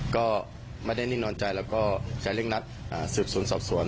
ก็ไม่ได้นิ่งนอนใจแล้วก็จะเร่งนัดสืบสวนสอบสวน